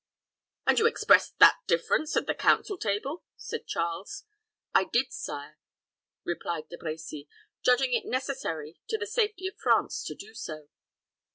"And you expressed that difference at the council table?" said Charles. "I did, sire," replied De Brecy, "judging it necessary to the safety of France to do so."